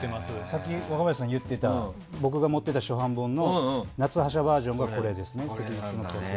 さっき若林さんが言ってた僕が持ってた初版本の夏葉社バージョンがこれですね「昔日の客」。